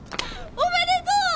おめでとう！